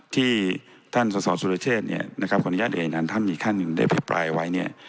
ที่ท่านสสสุรเชษเนี่ยนะครับขออนุญาตเองนั้นท่านมีท่านหนึ่งได้พิปรายไว้เนี่ย